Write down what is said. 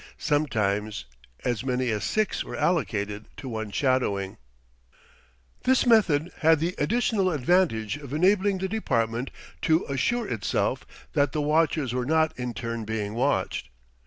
Sometimes as many as six were allocated to one shadowing. This method had the additional advantage of enabling the Department to assure itself that the watchers were not in turn being watched.